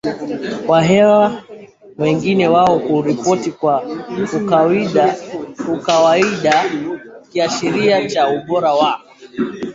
wa hewa Wengi wao huripoti kwa ukawaida Kiashiria cha Ubora wa